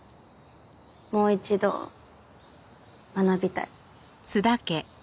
もう一度学びたい。